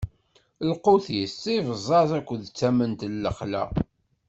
Lqut-is, d ibẓaẓ akked tament n lexla.